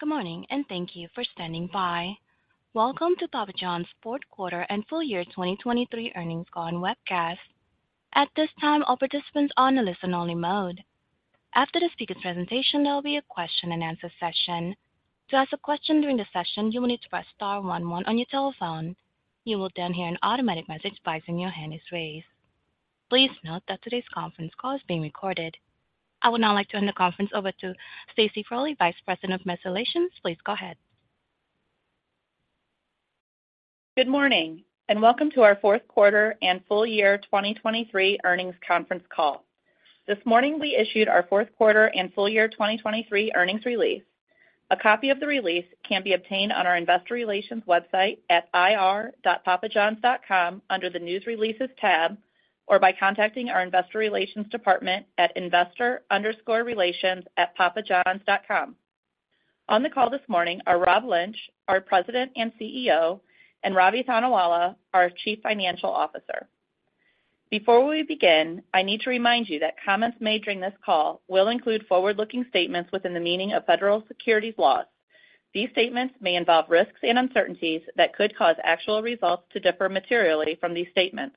Good morning and thank you for standing by. Welcome to Papa John's Fourth Quarter and Full Year 2023 Earnings Call and Webcast. At this time, all participants are in a listen-only mode. After the speaker's presentation, there will be a question-and-answer session. To ask a question during the session, you will need to press star one one on your telephone. You will then hear an automatic message confirming your hand is raised. Please note that today's conference call is being recorded. I would now like to turn the conference over to Stacy Frole, Vice President of Investor Relations. Please go ahead. Good morning and welcome to our fourth quarter and full year 2023 earnings conference call. This morning, we issued our fourth quarter and full year 2023 earnings release. A copy of the release can be obtained on our investor relations website at ir.papajohns.com under the news releases tab or by contacting our Investor Relations department at investor_relations@papajohns.com. On the call this morning are Rob Lynch, our President and CEO, and Ravi Thanawala, our Chief Financial Officer. Before we begin, I need to remind you that comments made during this call will include forward-looking statements within the meaning of federal securities laws. These statements may involve risks and uncertainties that could cause actual results to differ materially from these statements.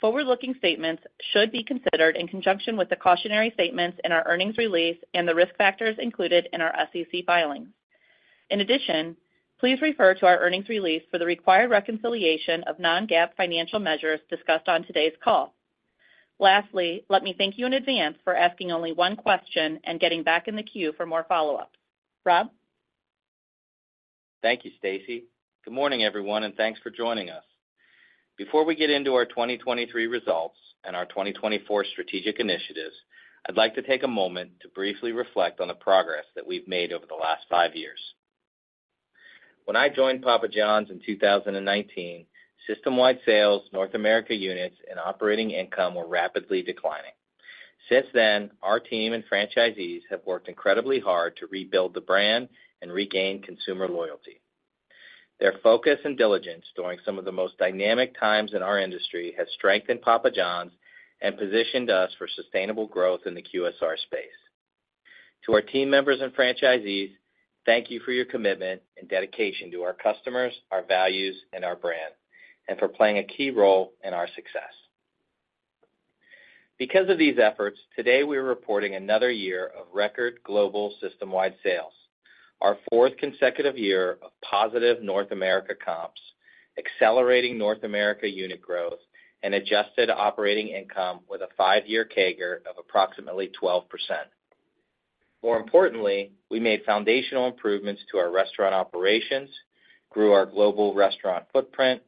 Forward-looking statements should be considered in conjunction with the cautionary statements in our earnings release and the risk factors included in our SEC filings. In addition, please refer to our earnings release for the required reconciliation of non-GAAP financial measures discussed on today's call. Lastly, let me thank you in advance for asking only one question and getting back in the queue for more follow-ups. Rob? Thank you, Stacy. Good morning, everyone, and thanks for joining us. Before we get into our 2023 results and our 2024 strategic initiatives, I'd like to take a moment to briefly reflect on the progress that we've made over the last five years. When I joined Papa John's in 2019, system-wide sales, North America units, and operating income were rapidly declining. Since then, our team and franchisees have worked incredibly hard to rebuild the brand and regain consumer loyalty. Their focus and diligence during some of the most dynamic times in our industry has strengthened Papa John's and positioned us for sustainable growth in the QSR space. To our team members and franchisees, thank you for your commitment and dedication to our customers, our values, and our brand, and for playing a key role in our success. Because of these efforts, today we are reporting another year of record global system-wide sales, our fourth consecutive year of positive North America comps, accelerating North America unit growth, and adjusted operating income with a five-year CAGR of approximately 12%. More importantly, we made foundational improvements to our restaurant operations, grew our global restaurant footprint,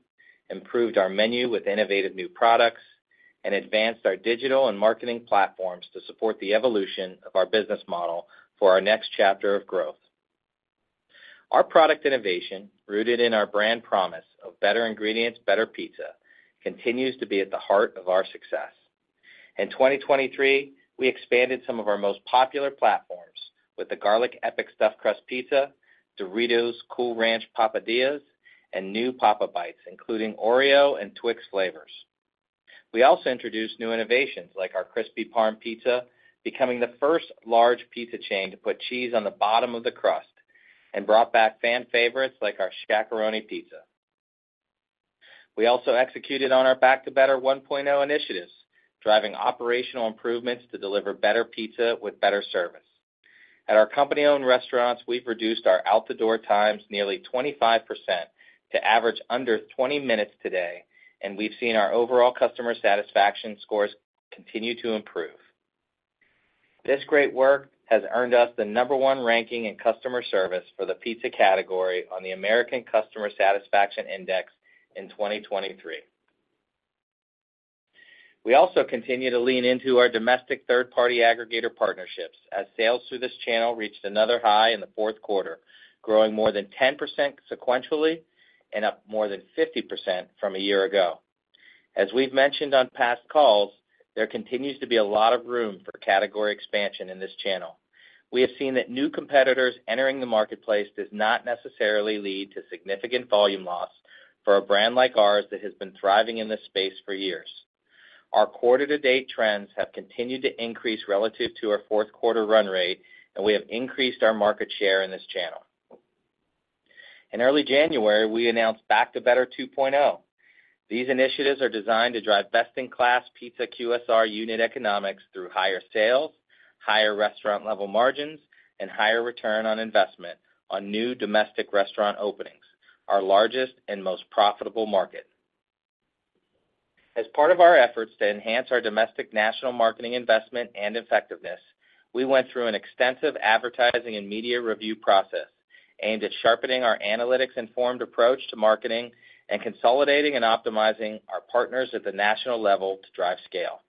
improved our menu with innovative new products, and advanced our digital and marketing platforms to support the evolution of our business model for our next chapter of growth. Our product innovation, rooted in our brand promise of better ingredients, better pizza, continues to be at the heart of our success. In 2023, we expanded some of our most popular platforms with the Garlic Epic Stuffed Crust Pizza, Doritos Cool Ranch Papadias, and new Papa Bites, including OREO and Twix flavors. We also introduced new innovations like our Crispy Parm Pizza, becoming the first large pizza chain to put cheese on the bottom of the crust, and brought back fan favorites like our Shaq-a-Roni Pizza. We also executed on our Back to Better 1.0 initiatives, driving operational improvements to deliver better pizza with better service. At our company-owned restaurants, we've reduced our out-the-door times nearly 25% to average under 20 minutes today, and we've seen our overall customer satisfaction scores continue to improve. This great work has earned us the number one ranking in customer service for the pizza category on the American Customer Satisfaction Index in 2023. We also continue to lean into our domestic third-party aggregator partnerships as sales through this channel reached another high in the fourth quarter, growing more than 10% sequentially and up more than 50% from a year ago. As we've mentioned on past calls, there continues to be a lot of room for category expansion in this channel. We have seen that new competitors entering the marketplace does not necessarily lead to significant volume loss for a brand like ours that has been thriving in this space for years. Our quarter-to-date trends have continued to increase relative to our fourth quarter run rate, and we have increased our market share in this channel. In early January, we announced Back to Better 2.0. These initiatives are designed to drive best-in-class pizza QSR unit economics through higher sales, higher restaurant-level margins, and higher return on investment on new domestic restaurant openings, our largest and most profitable market. As part of our efforts to enhance our domestic national marketing investment and effectiveness, we went through an extensive advertising and media review process aimed at sharpening our analytics-informed approach to marketing and consolidating and optimizing our partners at the national level to drive scale.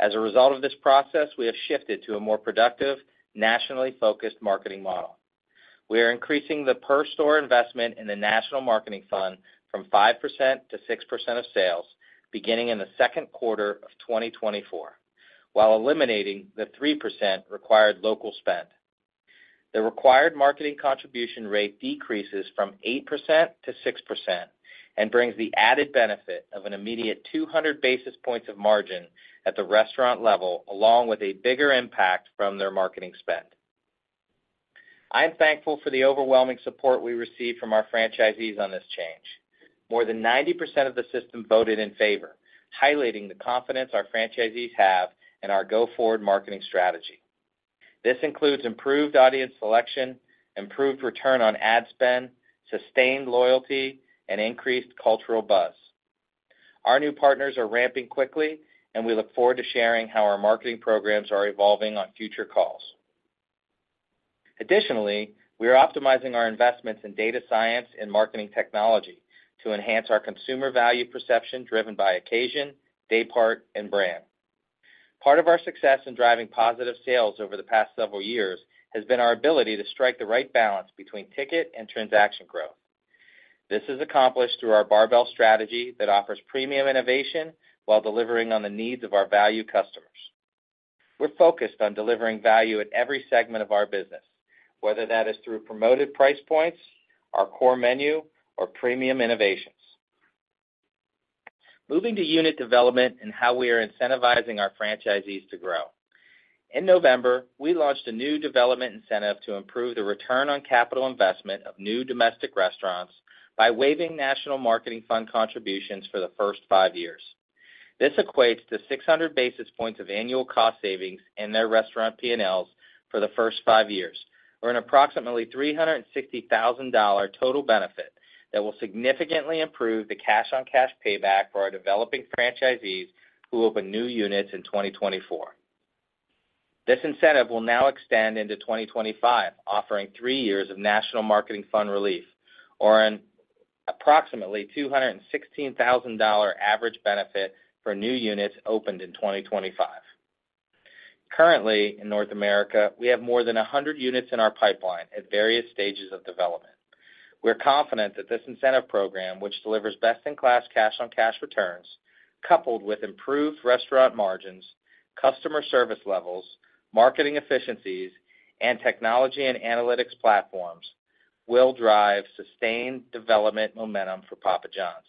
As a result of this process, we have shifted to a more productive, nationally focused marketing model. We are increasing the per-store investment in the National Marketing Fund from 5%-6% of sales beginning in the second quarter of 2024 while eliminating the 3% required local spend. The required marketing contribution rate decreases from 8%-6% and brings the added benefit of an immediate 200 basis points of margin at the restaurant level along with a bigger impact from their marketing spend. I am thankful for the overwhelming support we received from our franchisees on this change. More than 90% of the system voted in favor, highlighting the confidence our franchisees have in our go-forward marketing strategy. This includes improved audience selection, improved return on ad spend, sustained loyalty, and increased cultural buzz. Our new partners are ramping quickly, and we look forward to sharing how our marketing programs are evolving on future calls. Additionally, we are optimizing our investments in data science and marketing technology to enhance our consumer value perception driven by occasion, day part, and brand. Part of our success in driving positive sales over the past several years has been our ability to strike the right balance between ticket and transaction growth. This is accomplished through our barbell strategy that offers premium innovation while delivering on the needs of our value customers. We're focused on delivering value at every segment of our business, whether that is through promoted price points, our core menu, or premium innovations. Moving to unit development and how we are incentivizing our franchisees to grow. In November, we launched a new development incentive to improve the return on capital investment of new domestic restaurants by waiving National Marketing Fund contributions for the first five years. This equates to 600 basis points of annual cost savings in their restaurant P&Ls for the first five years or an approximately $360,000 total benefit that will significantly improve the cash-on-cash payback for our developing franchisees who open new units in 2024. This incentive will now extend into 2025, offering three years of National Marketing Fund relief or an approximately $216,000 average benefit for new units opened in 2025. Currently, in North America, we have more than 100 units in our pipeline at various stages of development. We're confident that this incentive program, which delivers best-in-class cash-on-cash returns coupled with improved restaurant margins, customer service levels, marketing efficiencies, and technology and analytics platforms, will drive sustained development momentum for Papa John's.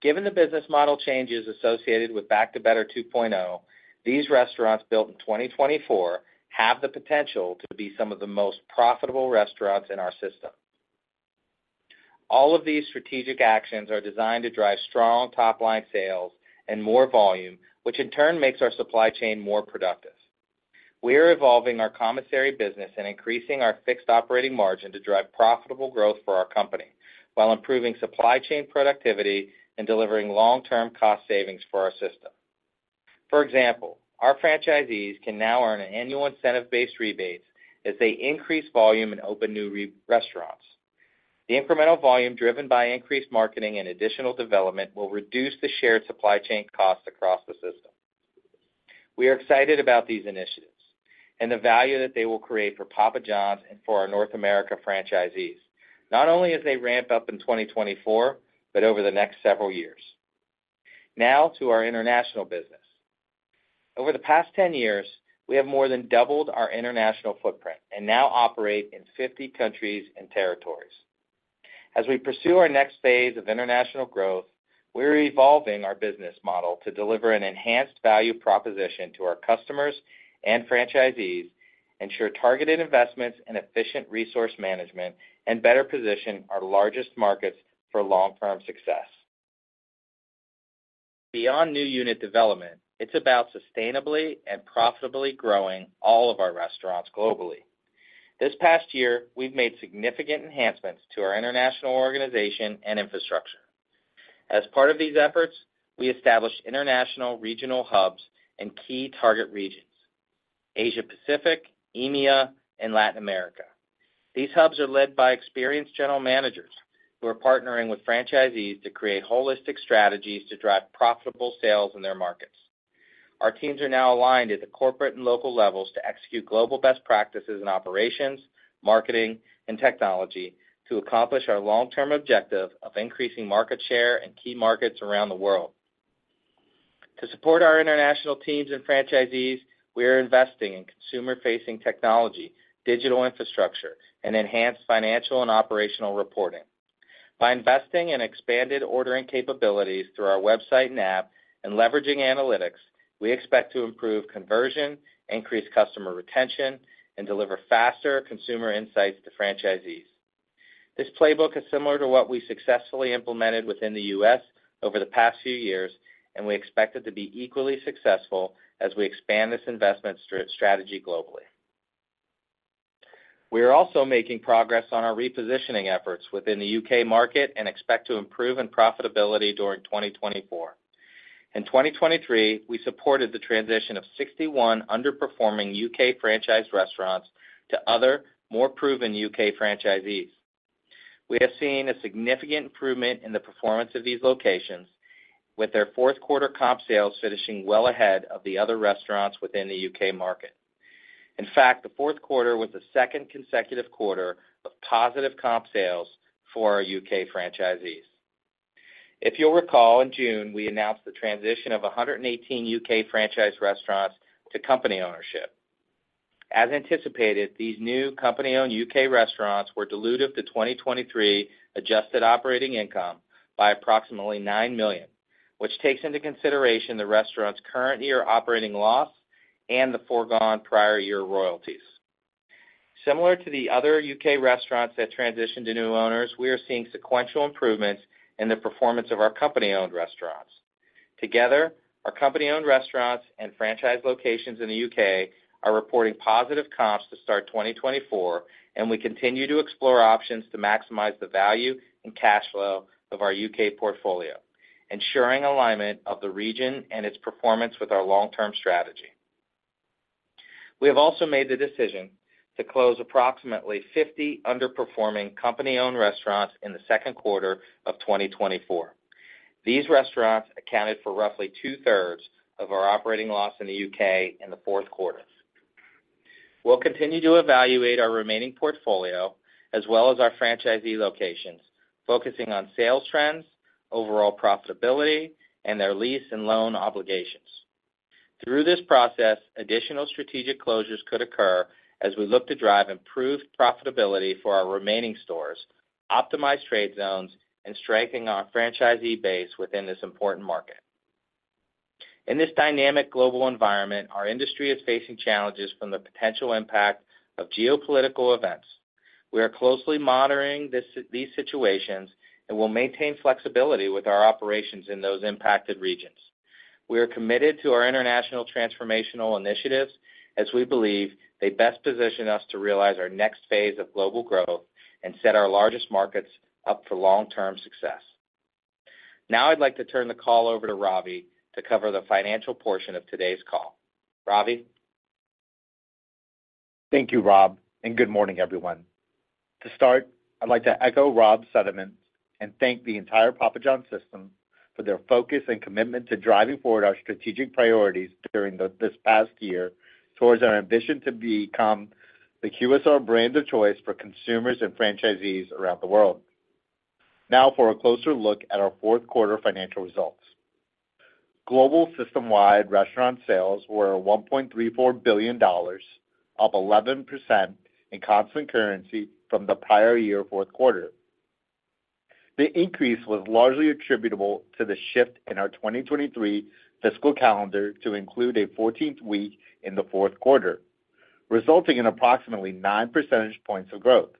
Given the business model changes associated with Back to Better 2.0, these restaurants built in 2024 have the potential to be some of the most profitable restaurants in our system. All of these strategic actions are designed to drive strong top-line sales and more volume, which in turn makes our supply chain more productive. We are evolving our commissary business and increasing our fixed operating margin to drive profitable growth for our company while improving supply chain productivity and delivering long-term cost savings for our system. For example, our franchisees can now earn an annual incentive-based rebates as they increase volume and open new restaurants. The incremental volume driven by increased marketing and additional development will reduce the shared supply chain costs across the system. We are excited about these initiatives and the value that they will create for Papa John's and for our North America franchisees, not only as they ramp up in 2024 but over the next several years. Now to our international business. Over the past 10 years, we have more than doubled our international footprint and now operate in 50 countries and territories. As we pursue our next phase of international growth, we are evolving our business model to deliver an enhanced value proposition to our customers and franchisees, ensure targeted investments and efficient resource management, and better position our largest markets for long-term success. Beyond new unit development, it's about sustainably and profitably growing all of our restaurants globally. This past year, we've made significant enhancements to our international organization and infrastructure. As part of these efforts, we established international regional hubs in key target regions: Asia-Pacific, EMEA, and Latin America. These hubs are led by experienced general managers who are partnering with franchisees to create holistic strategies to drive profitable sales in their markets. Our teams are now aligned at the corporate and local levels to execute global best practices in operations, marketing, and technology to accomplish our long-term objective of increasing market share in key markets around the world. To support our international teams and franchisees, we are investing in consumer-facing technology, digital infrastructure, and enhanced financial and operational reporting. By investing in expanded ordering capabilities through our website and app and leveraging analytics, we expect to improve conversion, increase customer retention, and deliver faster consumer insights to franchisees. This playbook is similar to what we successfully implemented within the U.S. over the past few years, and we expect it to be equally successful as we expand this investment strategy globally. We are also making progress on our repositioning efforts within the U.K. market and expect to improve in profitability during 2024. In 2023, we supported the transition of 61 underperforming U.K. franchised restaurants to other, more proven U.K. franchisees. We have seen a significant improvement in the performance of these locations, with their fourth quarter comp sales finishing well ahead of the other restaurants within the U.K. market. In fact, the fourth quarter was the second consecutive quarter of positive comp sales for our U.K. franchisees. If you'll recall, in June, we announced the transition of 118 U.K. franchised restaurants to company ownership. As anticipated, these new company-owned U.K. restaurants were diluted to 2023 adjusted operating income by approximately $9 million, which takes into consideration the restaurant's current year operating loss and the foregone prior year royalties. Similar to the other U.K. restaurants that transitioned to new owners, we are seeing sequential improvements in the performance of our company-owned restaurants. Together, our company-owned restaurants and franchised locations in the U.K. are reporting positive comps to start 2024, and we continue to explore options to maximize the value and cash flow of our U.K. portfolio, ensuring alignment of the region and its performance with our long-term strategy. We have also made the decision to close approximately 50 underperforming company-owned restaurants in the second quarter of 2024. These restaurants accounted for roughly 2/3 of our operating loss in the U.K. in the fourth quarter. We'll continue to evaluate our remaining portfolio as well as our franchisee locations, focusing on sales trends, overall profitability, and their lease and loan obligations. Through this process, additional strategic closures could occur as we look to drive improved profitability for our remaining stores, optimize trade zones, and strengthen our franchisee base within this important market. In this dynamic global environment, our industry is facing challenges from the potential impact of geopolitical events. We are closely monitoring these situations and will maintain flexibility with our operations in those impacted regions. We are committed to our international transformational initiatives as we believe they best position us to realize our next phase of global growth and set our largest markets up for long-term success. Now I'd like to turn the call over to Ravi to cover the financial portion of today's call. Ravi? Thank you, Rob, and good morning, everyone. To start, I'd like to echo Rob's sentiments and thank the entire Papa John's system for their focus and commitment to driving forward our strategic priorities during this past year towards our ambition to become the QSR brand of choice for consumers and franchisees around the world. Now for a closer look at our fourth quarter financial results. Global system-wide restaurant sales were $1.34 billion, up 11% in constant currency from the prior year fourth quarter. The increase was largely attributable to the shift in our 2023 fiscal calendar to include a 14th week in the fourth quarter, resulting in approximately 9 percentage points of growth.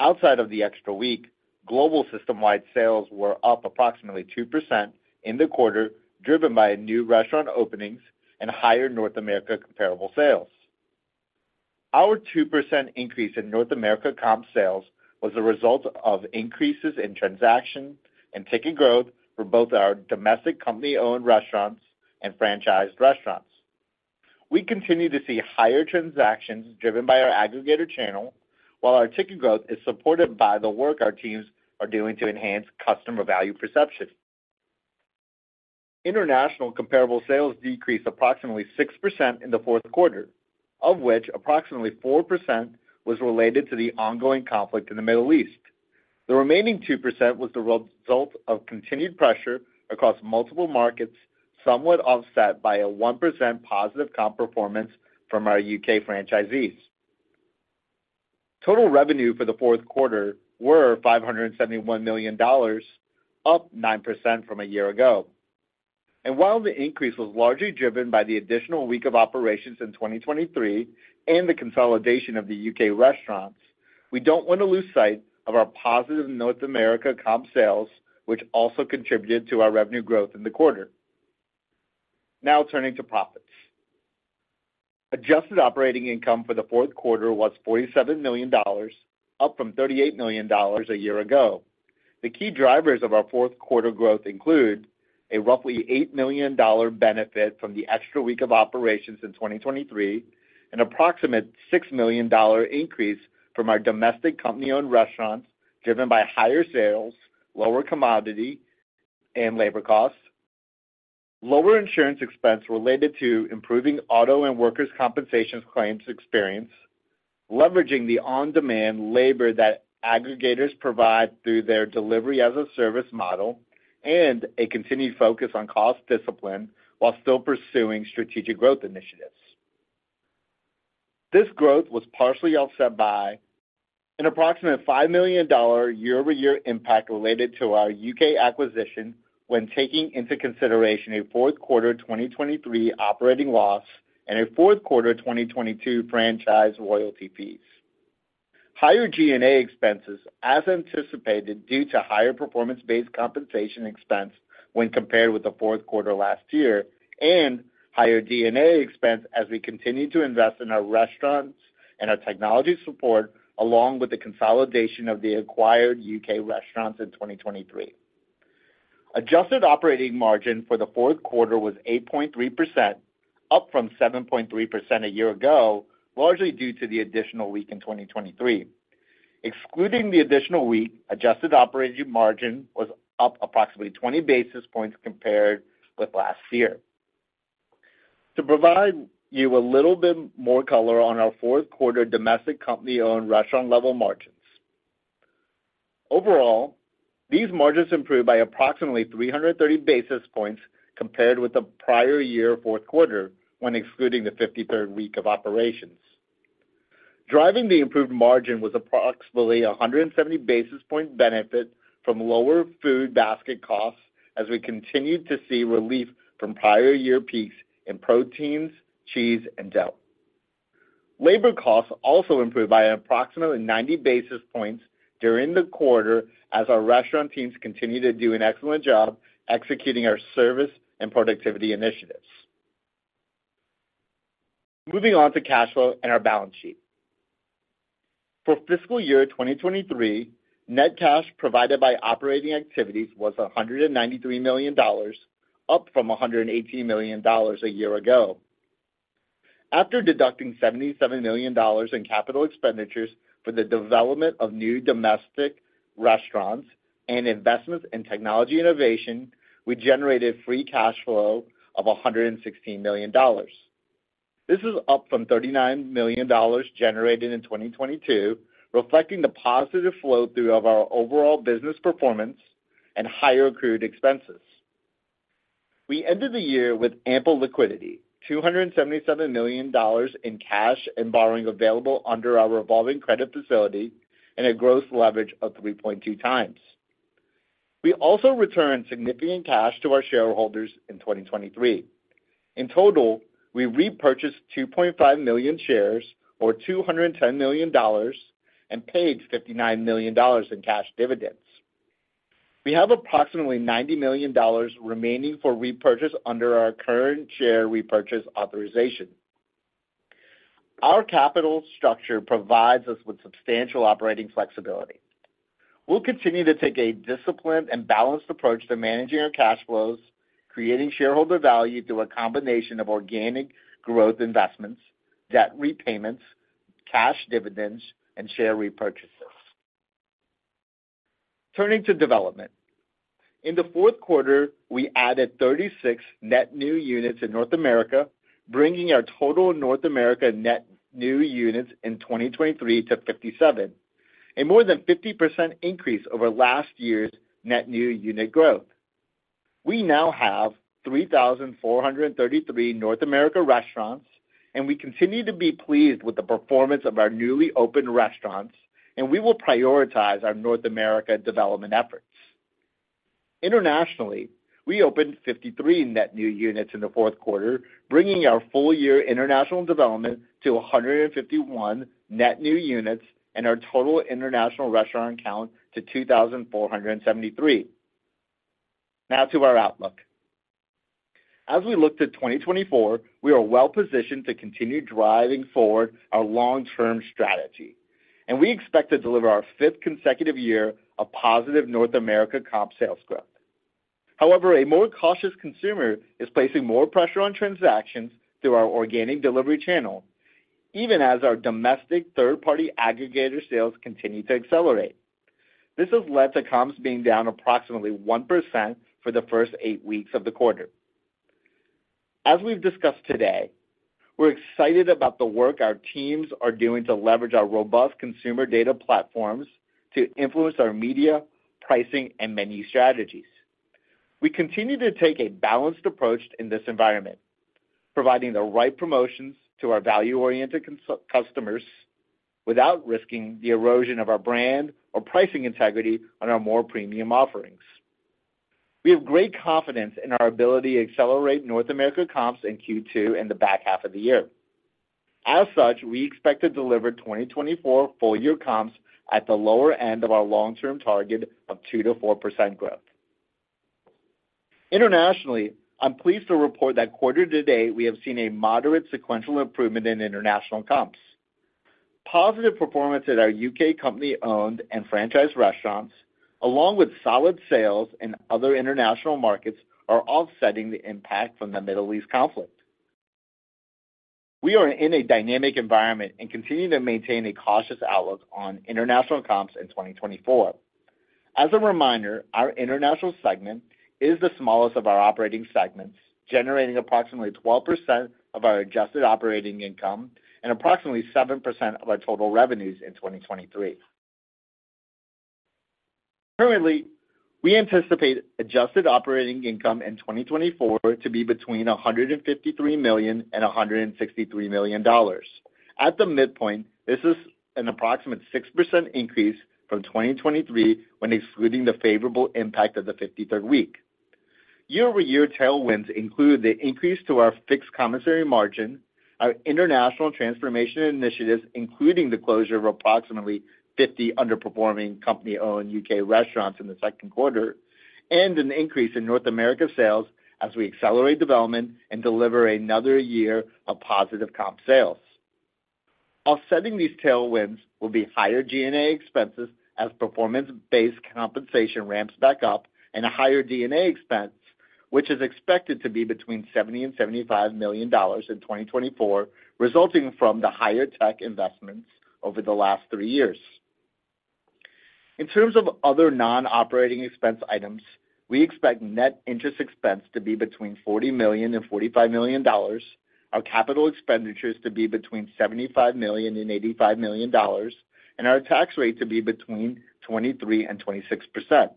Outside of the extra week, global system-wide sales were up approximately 2% in the quarter driven by new restaurant openings and higher North America comparable sales. Our 2% increase in North America comp sales was a result of increases in transaction and ticket growth for both our domestic company-owned restaurants and franchised restaurants. We continue to see higher transactions driven by our aggregator channel, while our ticket growth is supported by the work our teams are doing to enhance customer value perception. International comparable sales decreased approximately 6% in the fourth quarter, of which approximately 4% was related to the ongoing conflict in the Middle East. The remaining 2% was the result of continued pressure across multiple markets, somewhat offset by a 1% positive comp performance from our U.K. franchisees. Total revenue for the fourth quarter were $571 million, up 9% from a year ago. While the increase was largely driven by the additional week of operations in 2023 and the consolidation of the U.K. restaurants, we don't want to lose sight of our positive North America comp sales, which also contributed to our revenue growth in the quarter. Now turning to profits. Adjusted operating income for the fourth quarter was $47 million, up from $38 million a year ago. The key drivers of our fourth quarter growth include a roughly $8 million benefit from the extra week of operations in 2023 and approximate $6 million increase from our domestic company-owned restaurants driven by higher sales, lower commodity, and labor costs, lower insurance expense related to improving auto and workers' compensations claims experience, leveraging the on-demand labor that aggregators provide through their delivery-as-a-service model, and a continued focus on cost discipline while still pursuing strategic growth initiatives. This growth was partially offset by an approximate $5 million year-over-year impact related to our U.K. acquisition when taking into consideration a fourth quarter 2023 operating loss and a fourth quarter 2022 franchise royalty fees, higher G&A expenses as anticipated due to higher performance-based compensation expense when compared with the fourth quarter last year, and higher D&A expense as we continue to invest in our restaurants and our technology support along with the consolidation of the acquired U.K. restaurants in 2023. Adjusted operating margin for the fourth quarter was 8.3%, up from 7.3% a year ago, largely due to the additional week in 2023. Excluding the additional week, adjusted operating margin was up approximately 20 basis points compared with last year. To provide you a little bit more color on our fourth quarter domestic company-owned restaurant-level margins. Overall, these margins improved by approximately 330 basis points compared with the prior year fourth quarter when excluding the 53rd week of operations. Driving the improved margin was approximately a 170 basis point benefit from lower food basket costs as we continued to see relief from prior year peaks in proteins, cheese, and dough. Labor costs also improved by approximately 90 basis points during the quarter as our restaurant teams continue to do an excellent job executing our service and productivity initiatives. Moving on to cash flow and our balance sheet. For fiscal year 2023, net cash provided by operating activities was $193 million, up from $118 million a year ago. After deducting $77 million in capital expenditures for the development of new domestic restaurants and investments in technology innovation, we generated free cash flow of $116 million. This is up from $39 million generated in 2022, reflecting the positive flow through of our overall business performance and higher accrued expenses. We ended the year with ample liquidity, $277 million in cash and borrowing available under our revolving credit facility and a gross leverage of 3.2x. We also returned significant cash to our shareholders in 2023. In total, we repurchased 2.5 million shares or $210 million and paid $59 million in cash dividends. We have approximately $90 million remaining for repurchase under our current share repurchase authorization. Our capital structure provides us with substantial operating flexibility. We'll continue to take a disciplined and balanced approach to managing our cash flows, creating shareholder value through a combination of organic growth investments, debt repayments, cash dividends, and share repurchases. Turning to development. In the fourth quarter, we added 36 net new units in North America, bringing our total North America net new units in 2023 to 57, a more than 50% increase over last year's net new unit growth. We now have 3,433 North America restaurants, and we continue to be pleased with the performance of our newly opened restaurants, and we will prioritize our North America development efforts. Internationally, we opened 53 net new units in the fourth quarter, bringing our full year international development to 151 net new units and our total international restaurant count to 2,473. Now to our outlook. As we look to 2024, we are well positioned to continue driving forward our long-term strategy, and we expect to deliver our fifth consecutive year of positive North America comp sales growth. However, a more cautious consumer is placing more pressure on transactions through our organic delivery channel, even as our domestic third-party aggregator sales continue to accelerate. This has led to comps being down approximately 1% for the first eight weeks of the quarter. As we've discussed today, we're excited about the work our teams are doing to leverage our robust consumer data platforms to influence our media, pricing, and menu strategies. We continue to take a balanced approach in this environment, providing the right promotions to our value-oriented customers without risking the erosion of our brand or pricing integrity on our more premium offerings. We have great confidence in our ability to accelerate North America comps in Q2 and the back half of the year. As such, we expect to deliver 2024 full-year comps at the lower end of our long-term target of 2%-4% growth. Internationally, I'm pleased to report that quarter-to-date, we have seen a moderate sequential improvement in international comps. Positive performance at our U.K. company-owned and franchised restaurants, along with solid sales in other international markets, are offsetting the impact from the Middle East conflict. We are in a dynamic environment and continue to maintain a cautious outlook on international comps in 2024. As a reminder, our international segment is the smallest of our operating segments, generating approximately 12% of our adjusted operating income and approximately 7% of our total revenues in 2023. Currently, we anticipate adjusted operating income in 2024 to be between $153 million and $163 million. At the midpoint, this is an approximate 6% increase from 2023 when excluding the favorable impact of the 53rd week. Year-over-year tailwinds include the increase to our fixed commissary margin, our international transformation initiatives, including the closure of approximately 50 underperforming company-owned U.K. restaurants in the second quarter, and an increase in North America sales as we accelerate development and deliver another year of positive comp sales. Offsetting these tailwinds will be higher G&A expenses as performance-based compensation ramps back up and a higher D&A expense, which is expected to be between $70 million-$75 million in 2024, resulting from the higher tech investments over the last three years. In terms of other non-operating expense items, we expect net interest expense to be between $40 million-$45 million, our capital expenditures to be between $75 million-$85 million, and our tax rate to be between 23%-26%.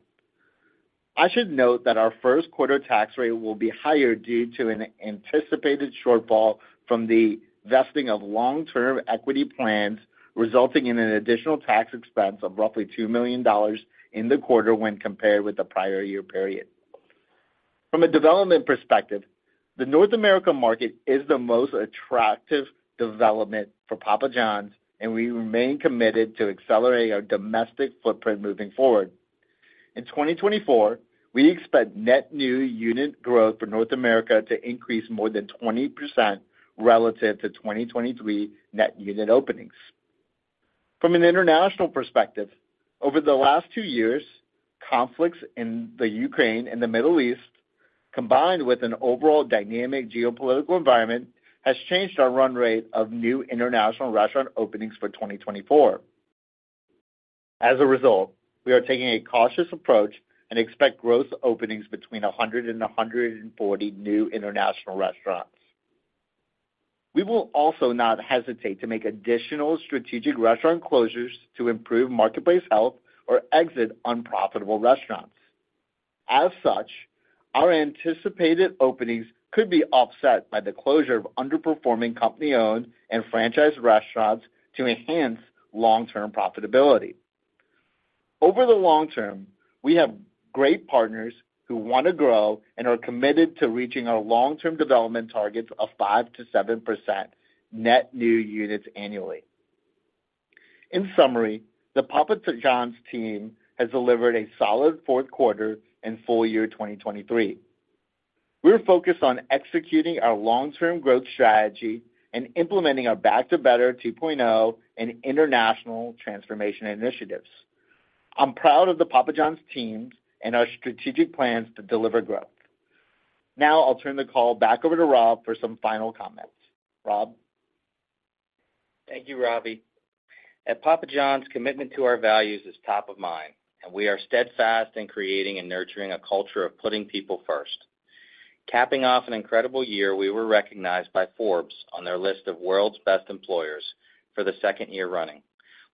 I should note that our first quarter tax rate will be higher due to an anticipated shortfall from the vesting of long-term equity plans, resulting in an additional tax expense of roughly $2 million in the quarter when compared with the prior year period. From a development perspective, the North America market is the most attractive development for Papa John's, and we remain committed to accelerate our domestic footprint moving forward. In 2024, we expect net new unit growth for North America to increase more than 20% relative to 2023 net unit openings. From an international perspective, over the last two years, conflicts in the Ukraine and the Middle East, combined with an overall dynamic geopolitical environment, have changed our run rate of new international restaurant openings for 2024. As a result, we are taking a cautious approach and expect growth openings between 100 and 140 new international restaurants. We will also not hesitate to make additional strategic restaurant closures to improve marketplace health or exit unprofitable restaurants. As such, our anticipated openings could be offset by the closure of underperforming company-owned and franchised restaurants to enhance long-term profitability. Over the long term, we have great partners who want to grow and are committed to reaching our long-term development targets of 5%-7% net new units annually. In summary, the Papa John's team has delivered a solid fourth quarter and full year 2023. We are focused on executing our long-term growth strategy and implementing our Back to Better 2.0 and international transformation initiatives. I'm proud of the Papa John's teams and our strategic plans to deliver growth. Now I'll turn the call back over to Rob for some final comments. Rob? Thank you, Ravi. At Papa John's, commitment to our values is top of mind, and we are steadfast in creating and nurturing a culture of putting people first. Capping off an incredible year, we were recognized by Forbes on their list of World's Best Employers for the second year running,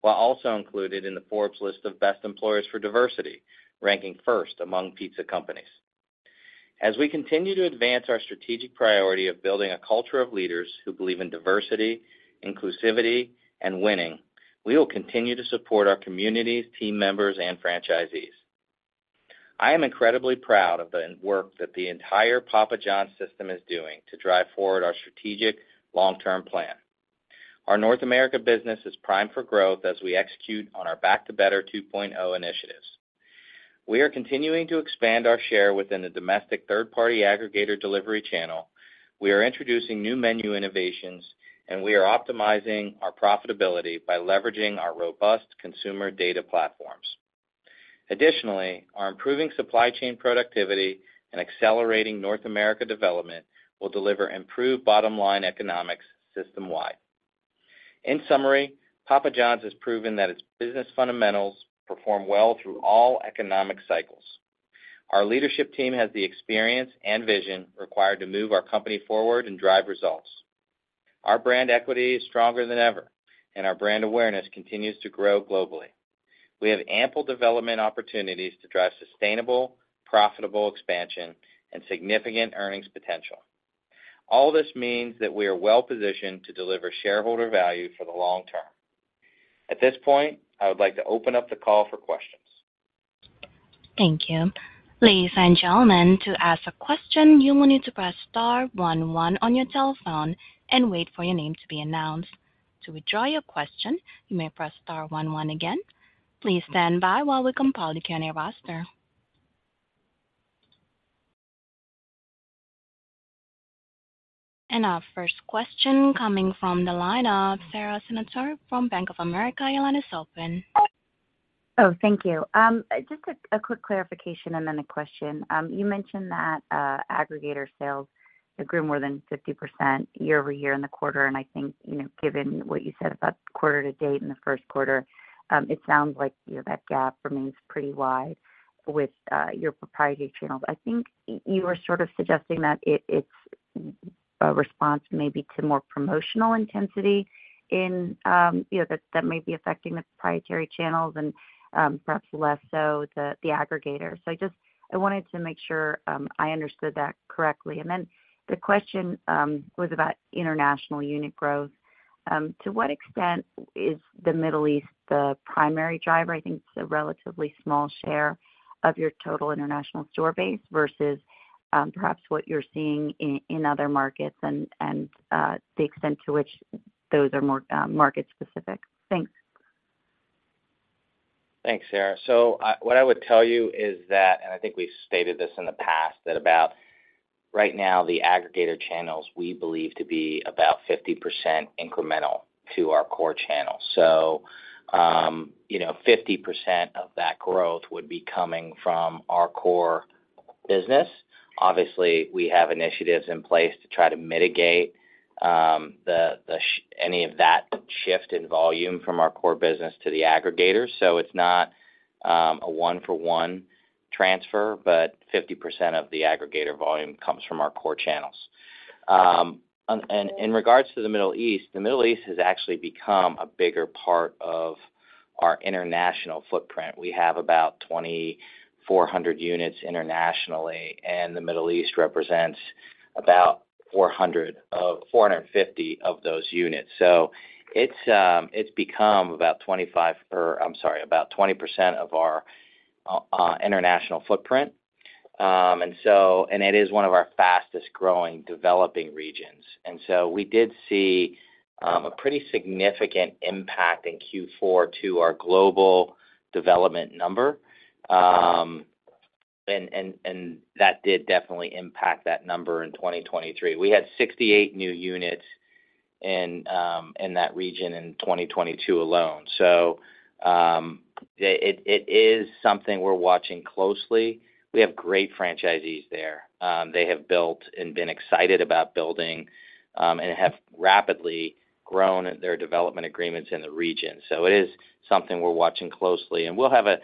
while also included in the Forbes list of Best Employers for Diversity, ranking first among pizza companies. As we continue to advance our strategic priority of building a culture of leaders who believe in diversity, inclusivity, and winning, we will continue to support our communities, team members, and franchisees. I am incredibly proud of the work that the entire Papa John's system is doing to drive forward our strategic long-term plan. Our North America business is primed for growth as we execute on our Back to Better 2.0 initiatives. We are continuing to expand our share within the domestic third-party aggregator delivery channel. We are introducing new menu innovations, and we are optimizing our profitability by leveraging our robust consumer data platforms. Additionally, our improving supply chain productivity and accelerating North America development will deliver improved bottom-line economics system-wide. In summary, Papa John's has proven that its business fundamentals perform well through all economic cycles. Our leadership team has the experience and vision required to move our company forward and drive results. Our brand equity is stronger than ever, and our brand awareness continues to grow globally. We have ample development opportunities to drive sustainable, profitable expansion and significant earnings potential. All this means that we are well positioned to deliver shareholder value for the long term. At this point, I would like to open up the call for questions. Thank you. Ladies and gentlemen, to ask a question, you will need to press star one one on your telephone and wait for your name to be announced. To withdraw your question, you may press star one one again. Please stand by while we compile the Q&A roster. Our first question coming from the line of Sara Senatore from Bank of America. Oh, thank you. Just a quick clarification and then a question. You mentioned that aggregator sales grew more than 50% year-over-year in the quarter, and I think given what you said about quarter-to-date in the first quarter, it sounds like that gap remains pretty wide with your proprietary channels. I think you were sort of suggesting that it's a response maybe to more promotional intensity that may be affecting the proprietary channels and perhaps less so the aggregator. So I wanted to make sure I understood that correctly. And then the question was about international unit growth. To what extent is the Middle East the primary driver? I think it's a relatively small share of your total international store base versus perhaps what you're seeing in other markets and the extent to which those are more market-specific. Thanks. Thanks, Sara. So what I would tell you is that, and I think we've stated this in the past, that about right now, the aggregator channels we believe to be about 50% incremental to our core channel. So 50% of that growth would be coming from our core business. Obviously, we have initiatives in place to try to mitigate any of that shift in volume from our core business to the aggregators. So it's not a one-for-one transfer, but 50% of the aggregator volume comes from our core channels. In regards to the Middle East, the Middle East has actually become a bigger part of our international footprint. We have about 2,400 units internationally, and the Middle East represents about 450 of those units. So it's become about 25% or I'm sorry, about 20% of our international footprint, and it is one of our fastest-growing developing regions. So we did see a pretty significant impact in Q4 to our global development number, and that did definitely impact that number in 2023. We had 68 new units in that region in 2022 alone. So it is something we're watching closely. We have great franchisees there. They have built and been excited about building and have rapidly grown their development agreements in the region. So it is something we're watching closely, and we'll have a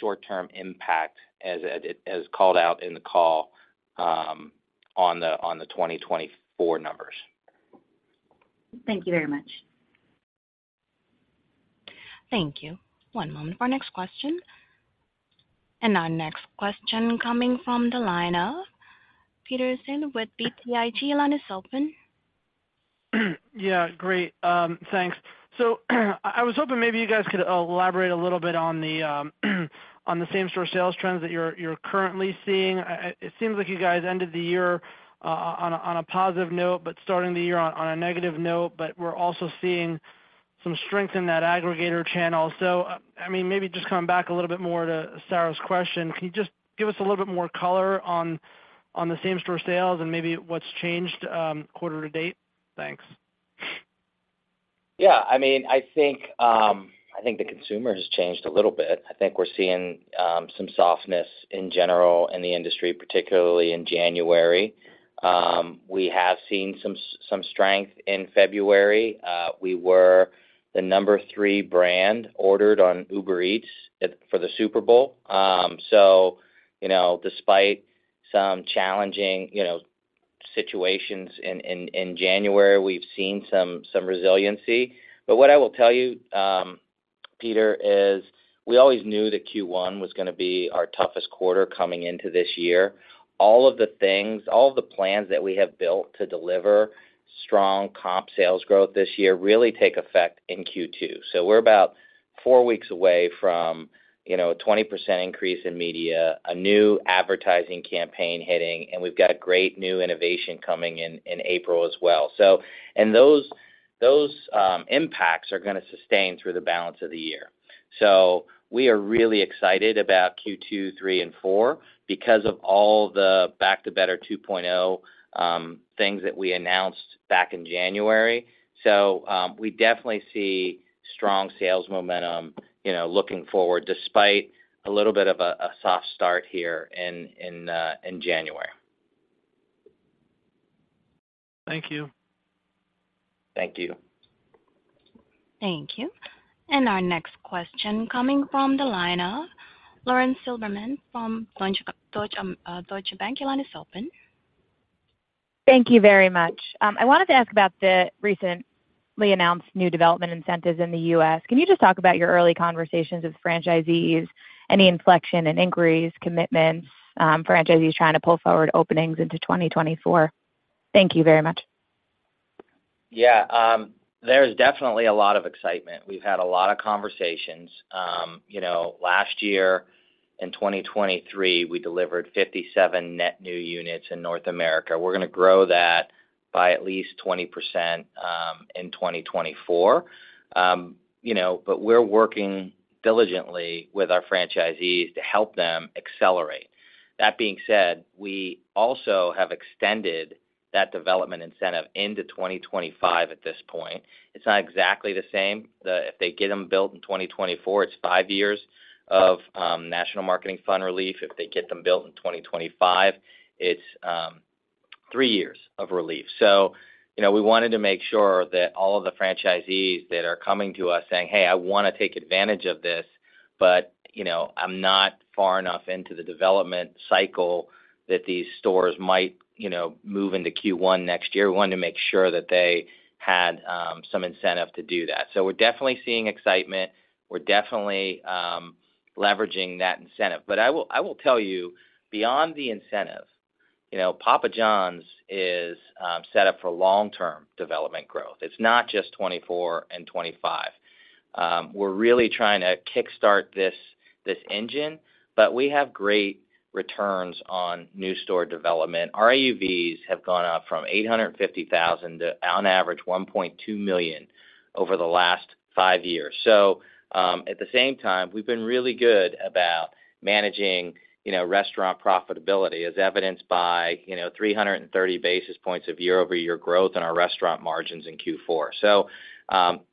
short-term impact, as called out in the call, on the 2024 numbers. Thank you very much. Thank you. One moment for our next question. Our next question coming from the line of Peter Saleh with BTIG. Your line is open. Yeah, great. Thanks. So I was hoping maybe you guys could elaborate a little bit on the same-store sales trends that you're currently seeing. It seems like you guys ended the year on a positive note but starting the year on a negative note, but we're also seeing some strength in that aggregator channel. So I mean, maybe just coming back a little bit more to Sara's question, can you just give us a little bit more color on the same-store sales and maybe what's changed quarter-to-date? Thanks. Yeah. I mean, I think the consumer has changed a little bit. I think we're seeing some softness in general in the industry, particularly in January. We have seen some strength in February. We were the number three brand ordered on Uber Eats for the Super Bowl. So despite some challenging situations in January, we've seen some resiliency. But what I will tell you, Peter, is we always knew that Q1 was going to be our toughest quarter coming into this year. All of the things, all of the plans that we have built to deliver strong comp sales growth this year really take effect in Q2. So we're about four weeks away from a 20% increase in media, a new advertising campaign hitting, and we've got great new innovation coming in April as well. And those impacts are going to sustain through the balance of the year. So we are really excited about Q2, 3, and 4 because of all the Back to Better 2.0 things that we announced back in January. So we definitely see strong sales momentum looking forward despite a little bit of a soft start here in January. Thank you. Thank you. Thank you. And our next question coming from the line of Lauren Silberman from Deutsche Bank. Your line is open. Thank you very much. I wanted to ask about the recently announced new development incentives in the U.S. Can you just talk about your early conversations with franchisees, any inflection in inquiries, commitments, franchisees trying to pull forward openings into 2024? Thank you very much. Yeah. There's definitely a lot of excitement. We've had a lot of conversations. Last year in 2023, we delivered 57 net new units in North America. We're going to grow that by at least 20% in 2024, but we're working diligently with our franchisees to help them accelerate. That being said, we also have extended that development incentive into 2025 at this point. It's not exactly the same. If they get them built in 2024, it's five years of National Marketing Fund relief. If they get them built in 2025, it's three years of relief. So we wanted to make sure that all of the franchisees that are coming to us saying, "Hey, I want to take advantage of this, but I'm not far enough into the development cycle that these stores might move into Q1 next year," we wanted to make sure that they had some incentive to do that. So we're definitely seeing excitement. We're definitely leveraging that incentive. But I will tell you, beyond the incentive, Papa John's is set up for long-term development growth. It's not just 2024 and 2025. We're really trying to kick-start this engine, but we have great returns on new-store development. Our AUVs have gone up from $850,000 to, on average, $1.2 million over the last five years. So at the same time, we've been really good about managing restaurant profitability as evidenced by 330 basis points of year-over-year growth in our restaurant margins in Q4. So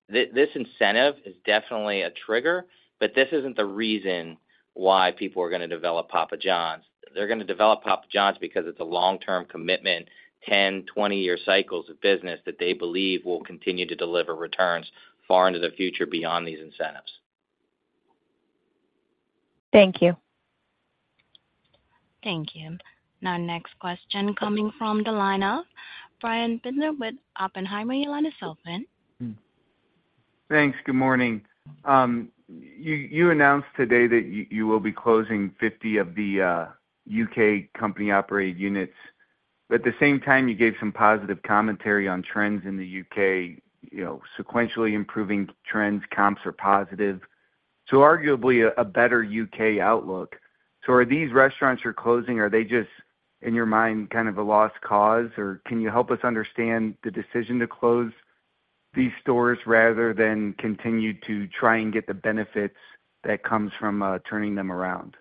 this incentive is definitely a trigger, but this isn't the reason why people are going to develop Papa John's. They're going to develop Papa John's because it's a long-term commitment, 10-, 20-year cycles of business that they believe will continue to deliver returns far into the future beyond these incentives. Thank you. Thank you. And our next question coming from the line of Brian Bittner with Oppenheimer. Your line is open. Thanks. Good morning. You announced today that you will be closing 50 of the U.K. company-operated units. But at the same time, you gave some positive commentary on trends in the U.K., sequentially improving trends. Comps are positive. So arguably, a better U.K. outlook. So are these restaurants you're closing, are they just, in your mind, kind of a lost cause, or can you help us understand the decision to close these stores rather than continue to try and get the benefits that comes from turning them around?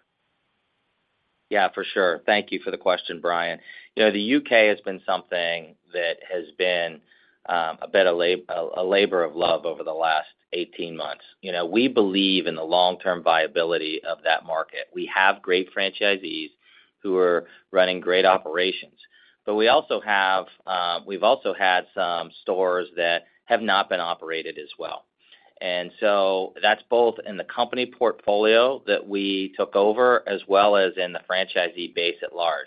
Yeah, for sure. Thank you for the question, Brian. The U.K. has been something that has been a bit of a labor of love over the last 18 months. We believe in the long-term viability of that market. We have great franchisees who are running great operations, but we've also had some stores that have not been operated as well. And so that's both in the company portfolio that we took over as well as in the franchisee base at large.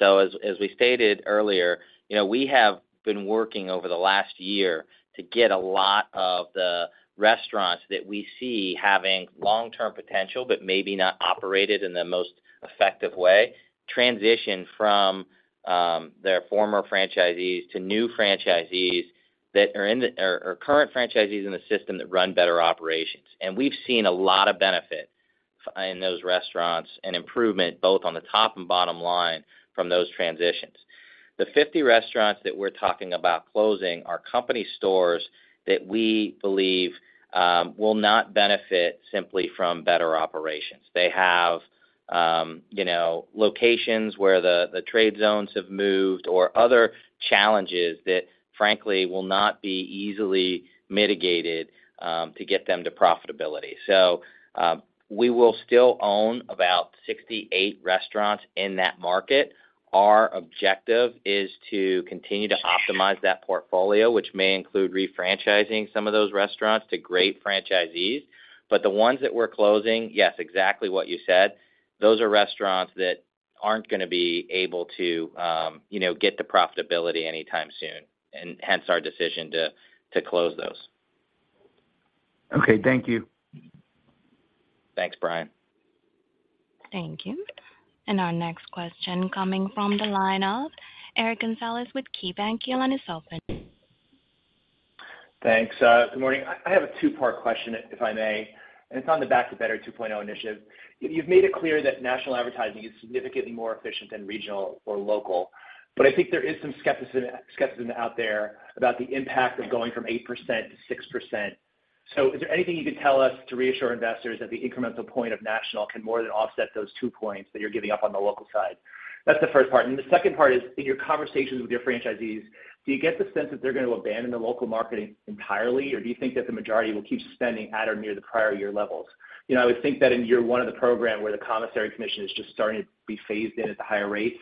As we stated earlier, we have been working over the last year to get a lot of the restaurants that we see having long-term potential but maybe not operated in the most effective way transition from their former franchisees to new franchisees that are current franchisees in the system that run better operations. We've seen a lot of benefit in those restaurants and improvement both on the top and bottom line from those transitions. The 50 restaurants that we're talking about closing are company stores that we believe will not benefit simply from better operations. They have locations where the trade zones have moved or other challenges that, frankly, will not be easily mitigated to get them to profitability. We will still own about 68 restaurants in that market. Our objective is to continue to optimize that portfolio, which may include refranchising some of those restaurants to great franchisees. But the ones that we're closing, yes, exactly what you said, those are restaurants that aren't going to be able to get to profitability anytime soon, and hence our decision to close those. Okay. Thank you. Thanks, Brian. Thank you. And our next question coming from the line of Eric Gonzalez with KeyBanc. Your line is open. Thanks. Good morning. I have a two-part question, if I may, and it's on the Back to Better 2.0 initiative. You've made it clear that national advertising is significantly more efficient than regional or local, but I think there is some skepticism out there about the impact of going from 8%-6%. So is there anything you could tell us to reassure investors that the incremental point of national can more than offset those two points that you're giving up on the local side? That's the first part. And the second part is, in your conversations with your franchisees, do you get the sense that they're going to abandon the local market entirely, or do you think that the majority will keep spending at or near the prior year levels? I would think that in year one of the program where the commissary commission is just starting to be phased in at the higher rates,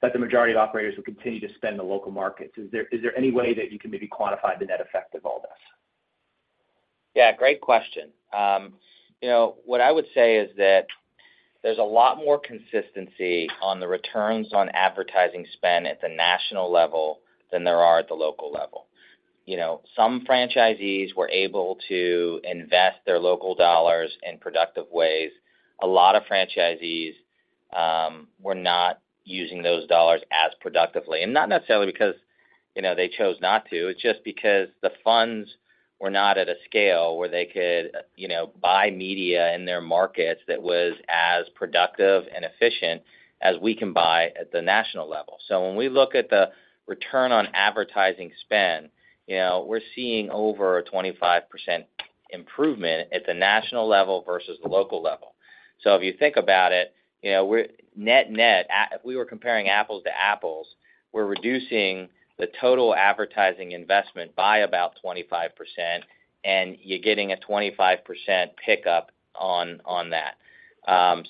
that the majority of operators will continue to spend in the local markets. Is there any way that you can maybe quantify the net effect of all this? Yeah, great question. What I would say is that there's a lot more consistency on the returns on advertising spend at the national level than there are at the local level. Some franchisees were able to invest their local dollars in productive ways. A lot of franchisees were not using those dollars as productively, and not necessarily because they chose not to. It's just because the funds were not at a scale where they could buy media in their markets that was as productive and efficient as we can buy at the national level. So when we look at the return on advertising spend, we're seeing over a 25% improvement at the national level versus the local level. So if you think about it, net-net, if we were comparing apples to apples, we're reducing the total advertising investment by about 25%, and you're getting a 25% pickup on that.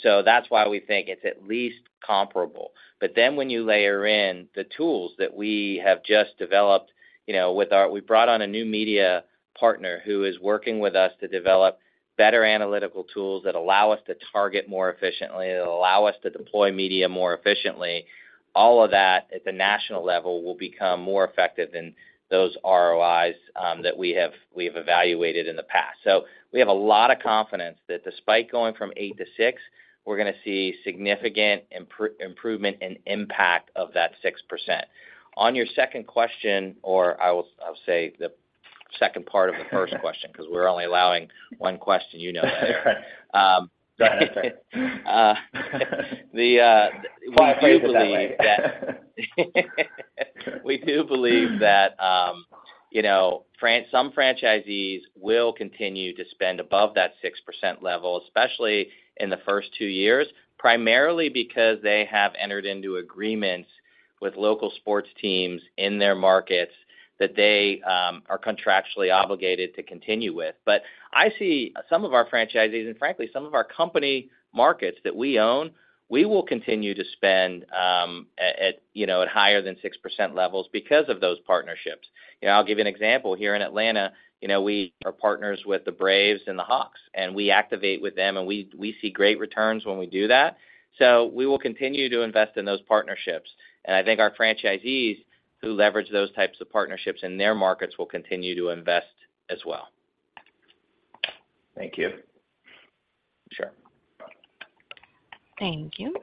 So that's why we think it's at least comparable. But then when you layer in the tools that we have just developed with our, we brought on a new media partner who is working with us to develop better analytical tools that allow us to target more efficiently, that allow us to deploy media more efficiently, all of that at the national level will become more effective than those ROIs that we have evaluated in the past. So we have a lot of confidence that despite going from 8%-6%, we're going to see significant improvement and impact of that 6%. On your second question, or I'll say the second part of the first question because we're only allowing one question, you know better. Go ahead. Sorry. We do believe that we do believe that some franchisees will continue to spend above that 6% level, especially in the first two years, primarily because they have entered into agreements with local sports teams in their markets that they are contractually obligated to continue with. But I see some of our franchisees and, frankly, some of our company markets that we own, we will continue to spend at higher than 6% levels because of those partnerships. I'll give you an example. Here in Atlanta, we are partners with the Braves and the Hawks, and we activate with them, and we see great returns when we do that. So we will continue to invest in those partnerships. And I think our franchisees who leverage those types of partnerships in their markets will continue to invest as well. Thank you. Sure. Thank you.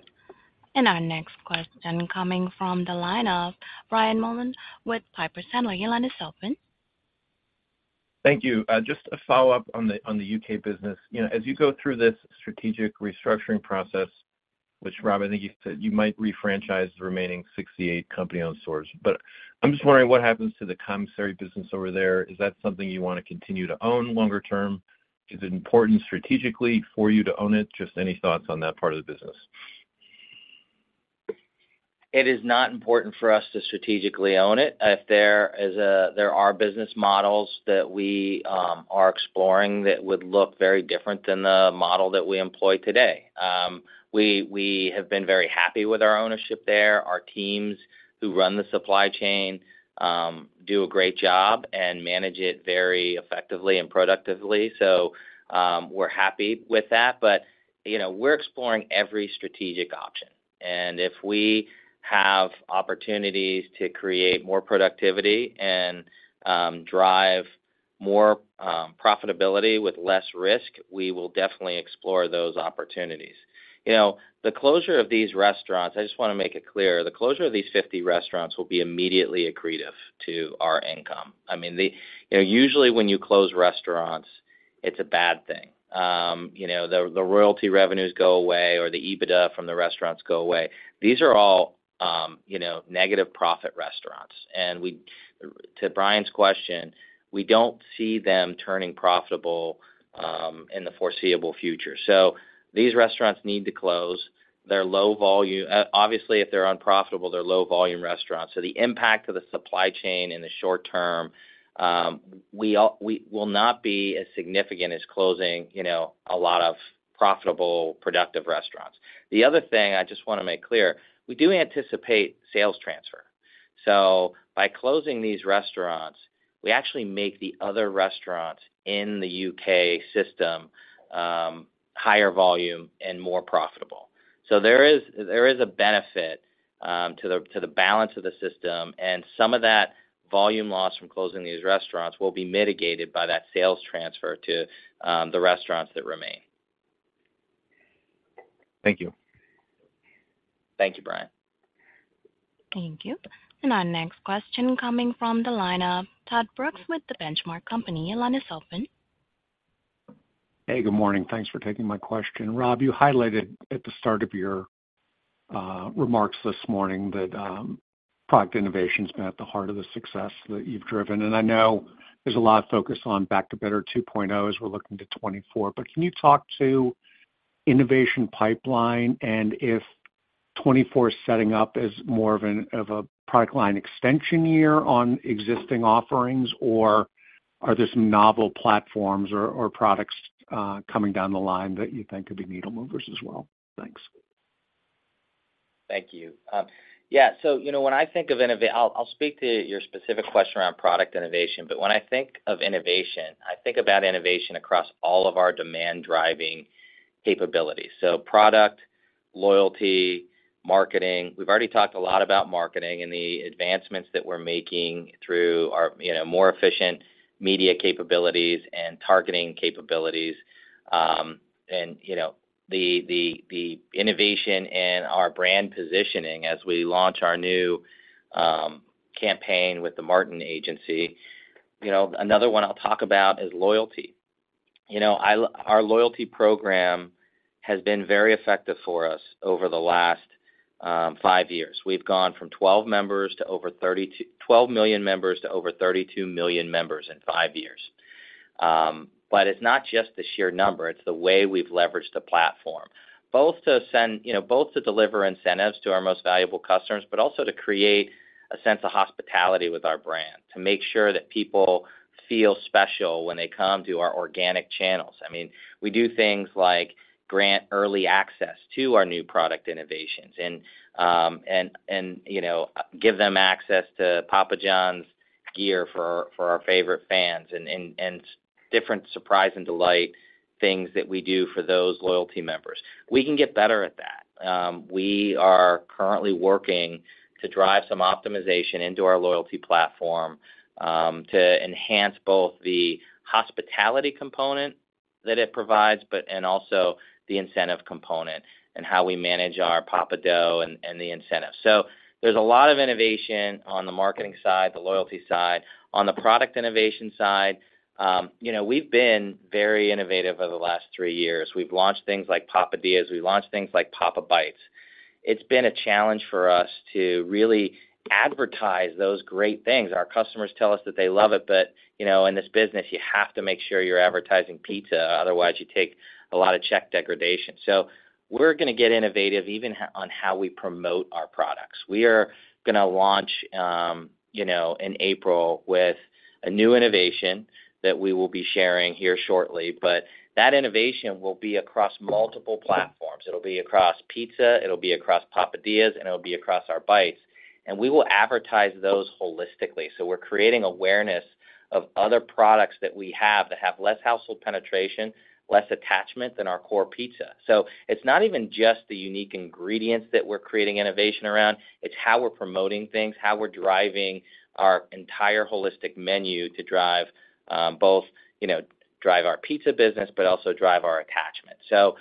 And our next question coming from the line of Brian Mullan with Piper Sandler. Your line is open. Thank you. Just a follow-up on the U.K. business. As you go through this strategic restructuring process, which, Rob, I think you said you might refranchise the remaining 68 company-owned stores, but I'm just wondering what happens to the commissary business over there. Is that something you want to continue to own longer term? Is it important strategically for you to own it? Just any thoughts on that part of the business. It is not important for us to strategically own it. There are business models that we are exploring that would look very different than the model that we employ today. We have been very happy with our ownership there. Our teams who run the supply chain do a great job and manage it very effectively and productively. So we're happy with that. But we're exploring every strategic option. And if we have opportunities to create more productivity and drive more profitability with less risk, we will definitely explore those opportunities. The closure of these restaurants, I just want to make it clear, the closure of these 50 restaurants will be immediately accretive to our income. I mean, usually, when you close restaurants, it's a bad thing. The royalty revenues go away or the EBITDA from the restaurants go away. These are all negative-profit restaurants. And to Brian's question, we don't see them turning profitable in the foreseeable future. So these restaurants need to close. They're low-volume obviously, if they're unprofitable, they're low-volume restaurants. So the impact of the supply chain in the short term, we will not be as significant as closing a lot of profitable, productive restaurants. The other thing I just want to make clear, we do anticipate sales transfer. So by closing these restaurants, we actually make the other restaurants in the U.K. system higher volume and more profitable. So there is a benefit to the balance of the system, and some of that volume loss from closing these restaurants will be mitigated by that sales transfer to the restaurants that remain. Thank you. Thank you, Brian. Thank you. And our next question coming from the line of Todd Brooks with The Benchmark Company. Your line is open. Hey, good morning. Thanks for taking my question. Rob, you highlighted at the start of your remarks this morning that product innovation's been at the heart of the success that you've driven. And I know there's a lot of focus on Back to Better 2.0 as we're looking to 2024, but can you talk to innovation pipeline and if 2024's setting up as more of a product line extension year on existing offerings, or are there some novel platforms or products coming down the line that you think could be needle movers as well? Thanks. Thank you. Yeah. So when I think of I'll speak to your specific question around product innovation, but when I think of innovation, I think about innovation across all of our demand-driving capabilities. So product, loyalty, marketing. We've already talked a lot about marketing and the advancements that we're making through our more efficient media capabilities and targeting capabilities. And the innovation in our brand positioning as we launch our new campaign with the Martin Agency. Another one I'll talk about is loyalty. Our loyalty program has been very effective for us over the last five years. We've gone from 12 million members to over 32 million members in five years. But it's not just the sheer number. It's the way we've leveraged the platform, both to send to deliver incentives to our most valuable customers but also to create a sense of hospitality with our brand, to make sure that people feel special when they come to our organic channels. I mean, we do things like grant early access to our new product innovations and give them access to Papa John's gear for our favorite fans and different surprise and delight things that we do for those loyalty members. We can get better at that. We are currently working to drive some optimization into our loyalty platform to enhance both the hospitality component that it provides and also the incentive component and how we manage our Papa Dough and the incentives. So there's a lot of innovation on the marketing side, the loyalty side. On the product innovation side, we've been very innovative over the last three years. We've launched things like Papadias. We've launched things like Papa Bites. It's been a challenge for us to really advertise those great things. Our customers tell us that they love it, but in this business, you have to make sure you're advertising pizza. Otherwise, you take a lot of check degradation. So we're going to get innovative even on how we promote our products. We are going to launch in April with a new innovation that we will be sharing here shortly, but that innovation will be across multiple platforms. It'll be across pizza. It'll be across Papadias. And it'll be across our bites. And we will advertise those holistically. So we're creating awareness of other products that we have that have less household penetration, less attachment than our core pizza. So it's not even just the unique ingredients that we're creating innovation around. It's how we're promoting things, how we're driving our entire holistic menu to both drive our pizza business but also drive our attachment. So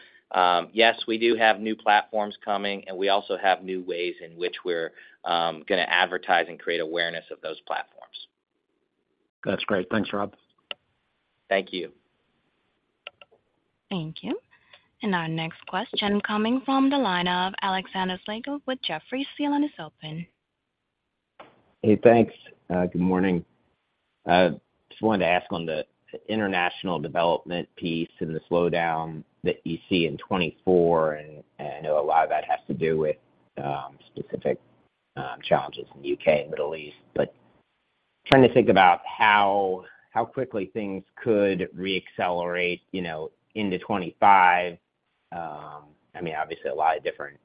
yes, we do have new platforms coming, and we also have new ways in which we're going to advertise and create awareness of those platforms. That's great. Thanks, Rob. Thank you. Thank you. Our next question coming from the line of Alexander Slagle with Jefferies. Your line is open. Hey, thanks. Good morning. Just wanted to ask on the international development piece and the slowdown that you see in 2024, and I know a lot of that has to do with specific challenges in the U.K. and Middle East, but trying to think about how quickly things could reaccelerate into 2025. I mean, obviously, a lot of different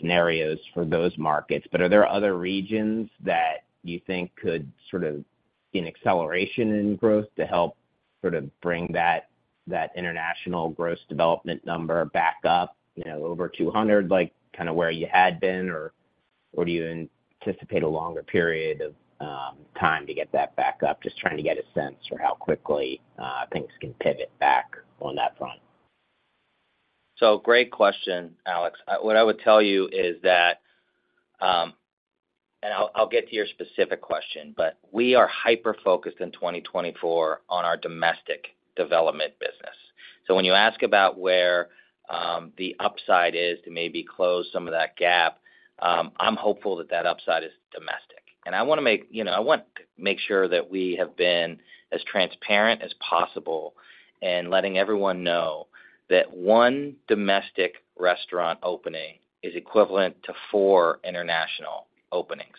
scenarios for those markets, but are there other regions that you think could sort of in acceleration in growth to help sort of bring that international gross development number back up over 200 kind of where you had been, or do you anticipate a longer period of time to get that back up? Just trying to get a sense for how quickly things can pivot back on that front. So great question, Alex. What I would tell you is that, and I'll get to your specific question, but we are hyper-focused in 2024 on our domestic development business. So when you ask about where the upside is to maybe close some of that gap, I'm hopeful that that upside is domestic. And I want to make I want to make sure that we have been as transparent as possible in letting everyone know that one domestic restaurant opening is equivalent to four international openings.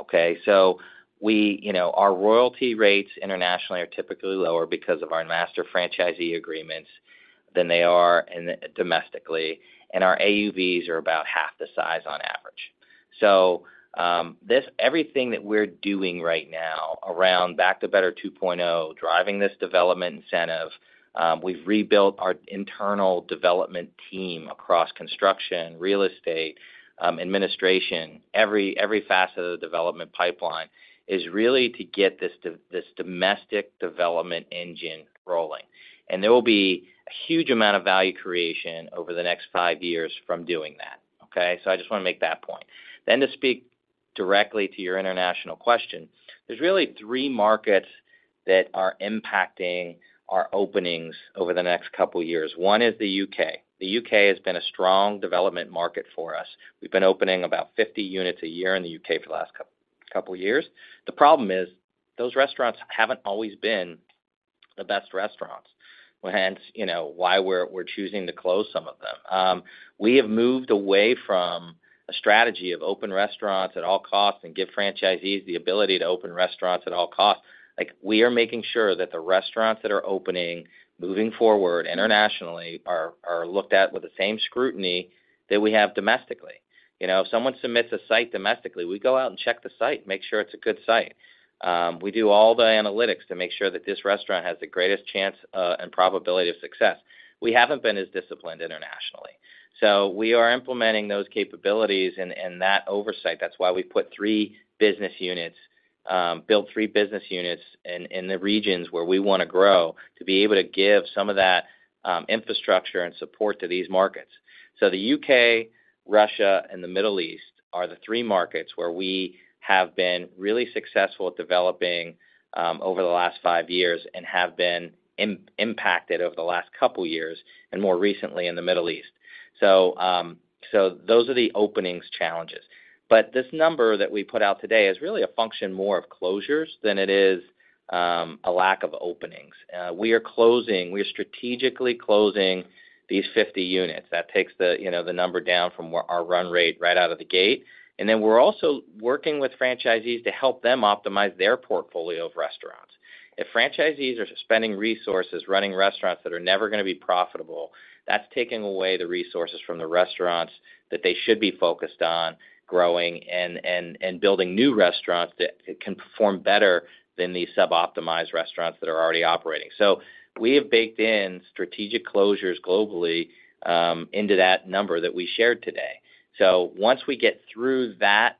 Okay? So our royalty rates internationally are typically lower because of our master franchisee agreements than they are domestically, and our AUVs are about half the size on average. Everything that we're doing right now around Back to Better 2.0, driving this development incentive, we've rebuilt our internal development team across construction, real estate, administration, every facet of the development pipeline is really to get this domestic development engine rolling. There will be a huge amount of value creation over the next five years from doing that. Okay? I just want to make that point. To speak directly to your international question, there's really three markets that are impacting our openings over the next couple of years. One is the U.K. The U.K. has been a strong development market for us. We've been opening about 50 units a year in the U.K. for the last couple of years. The problem is those restaurants haven't always been the best restaurants, hence why we're choosing to close some of them. We have moved away from a strategy of open restaurants at all costs and give franchisees the ability to open restaurants at all costs. We are making sure that the restaurants that are opening moving forward internationally are looked at with the same scrutiny that we have domestically. If someone submits a site domestically, we go out and check the site and make sure it's a good site. We do all the analytics to make sure that this restaurant has the greatest chance and probability of success. We haven't been as disciplined internationally. So we are implementing those capabilities and that oversight. That's why we put three business units built three business units in the regions where we want to grow to be able to give some of that infrastructure and support to these markets. So the U.K., Russia, and the Middle East are the three markets where we have been really successful at developing over the last five years and have been impacted over the last couple of years and more recently in the Middle East. So those are the openings challenges. But this number that we put out today is really a function more of closures than it is a lack of openings. We are closing. We are strategically closing these 50 units. That takes the number down from our run rate right out of the gate. And then we're also working with franchisees to help them optimize their portfolio of restaurants. If franchisees are spending resources running restaurants that are never going to be profitable, that's taking away the resources from the restaurants that they should be focused on growing and building new restaurants that can perform better than these suboptimized restaurants that are already operating. So we have baked in strategic closures globally into that number that we shared today. So once we get through that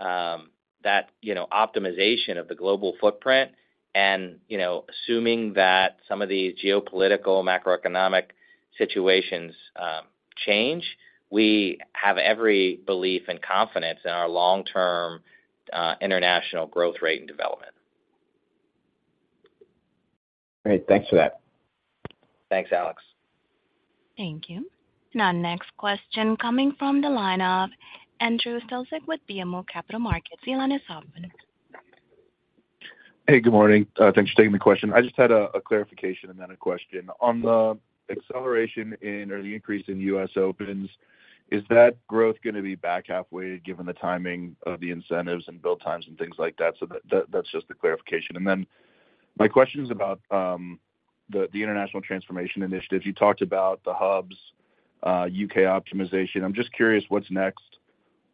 optimization of the global footprint and assuming that some of these geopolitical, macroeconomic situations change, we have every belief and confidence in our long-term international growth rate and development. Great. Thanks for that. Thanks, Alex. Thank you. And our next question coming from the line of Andrew Strelzik with BMO Capital Markets. Your line is open. Hey, good morning. Thanks for taking the question. I just had a clarification and then a question. On the acceleration or the increase in U.S. opens, is that growth going to be back-half weighted given the timing of the incentives and build times and things like that? So that's just a clarification. And then my question is about the international transformation initiative. You talked about the hubs, U.K. optimization. I'm just curious what's next